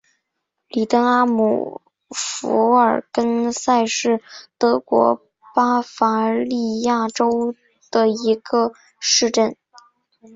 里登阿姆福尔根塞是德国巴伐利亚州的一个市镇。